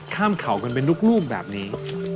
ข้ามเขากันเป็นรุ่งแบบนี้